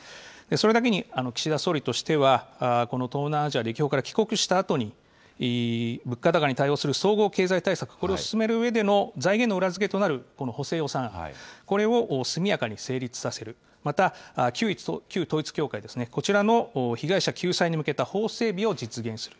それだけに、岸田総理としては、この東南アジア歴訪から帰国したあとに、物価高に対応する総合経済対策、これを進めるうえでの財源の裏付けとなる、この補正予算案、これを速やかに成立させる、また、旧統一教会ですね、こちらの被害者救済に向けた法整備を実現する。